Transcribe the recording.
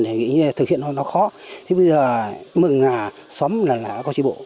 nghĩ là thực hiện nó khó thì bây giờ mừng là xóm là có tri bộ